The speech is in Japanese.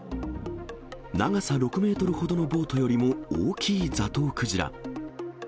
長さ６メートルほどのボートよりも大きいザトウクジラ。